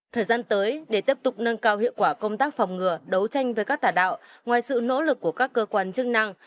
thời gian tới để tiếp tục nâng cao hiệu quả công tác phòng ngừa đấu tranh với các tà đạo ngoài sự nỗ lực của các cơ quan chức năng